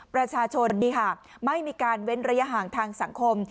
ประชาชนนี่ค่ะไม่มีการเว้นระยะห่างทางสังคม